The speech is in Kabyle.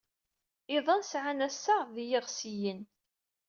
Iḍan sɛan assaɣ ed yiɣsiyen.